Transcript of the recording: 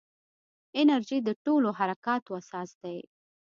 انرژي د ټولو حرکاتو اساس دی.